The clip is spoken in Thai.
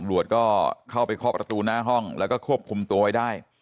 อังหลวดก็เข้าไปเข้าประตูหน้าห้องแล้วก็ควบคุมตัวให้ได้